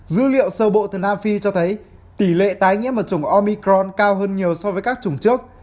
dữ liệu sơ bộ từ nam phi cho thấy tỷ lệ tái nhiễm ở chủng omicron cao hơn nhiều so với các chủng trước